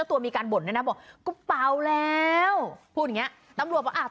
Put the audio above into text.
ตัวมีการบ่นนะนะบอกก็เป่าแล้วพูดอย่างเงี้ยน้ำรวบว่าอ่า